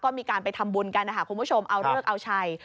ก็มีการไปทำบุญกันนะคะคุณผู้ชมเอาเลิกเอาชัย